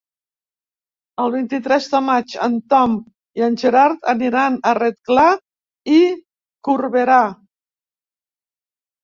El vint-i-tres de maig en Tom i en Gerard aniran a Rotglà i Corberà.